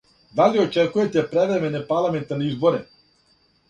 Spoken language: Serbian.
Да ли очекујете превремене парламентарне изборе?